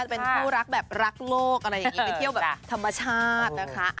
เป็นคู่รักแบบรักโลกอะไรอย่างนี้ไปเที่ยวแบบธรรมชาตินะคะ